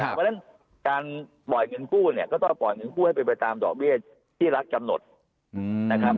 เพราะฉะนั้นการปล่อยเงินกู้เนี่ยก็ต้องปล่อยเงินกู้ให้เป็นไปตามดอกเบี้ยที่รัฐกำหนดนะครับ